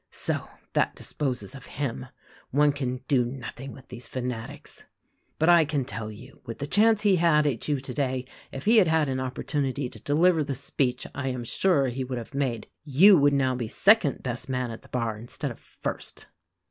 So, that disposes of him. One can do nothing with these fanatics. "But I can tell you, with the chance he had at you today if he had had an opportunity to deliver the speech I am sure he would have made, you would now be second best man at the bar, instead of first.